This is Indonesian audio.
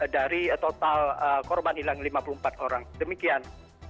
dari total korban hilang lima puluh empat orang demikian